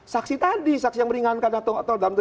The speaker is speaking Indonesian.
saksi tadi saksi yang meringankan atau dalam